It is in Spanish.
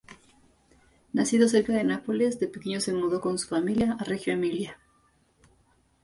Nacido cerca de Nápoles, de pequeño se mudó con su familia a Reggio Emilia.